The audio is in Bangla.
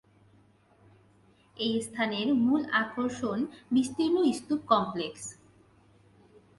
এই স্থানের মূল আকর্ষণ বিস্তীর্ণ স্তূপ কমপ্লেক্স।